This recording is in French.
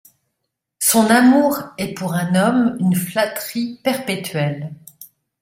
Son amour est pour un homme une flatterie perpétuelle.